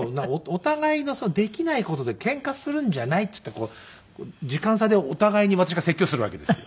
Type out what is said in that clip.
「お互いのできない事でケンカするんじゃない」っていって時間差でお互いに私が説教するわけですよ。